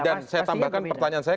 dan saya tambahkan pertanyaan saya